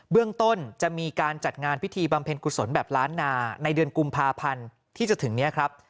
เรื่องต้นจะมีการจัดงานพิธีบำเพ็ญกุศลแบบล้านนาในเดือนกุมภาพันธ์ที่จะถึงนี้ครับ